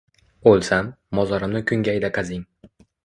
– O’lsam, mozorimni kungayda qazing…